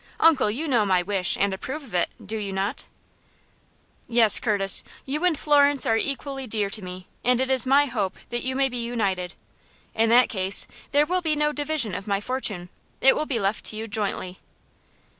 Uncle, you know my wish, and approve of it, do you not?" "Yes, Curtis; you and Florence are equally dear to me, and it is my hope that you may be united. In that case, there will be no division of my fortune. It will be left to you jointly."